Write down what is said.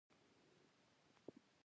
راهیسې هڅه کړې